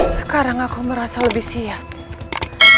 sekarang aku merasa lebih siap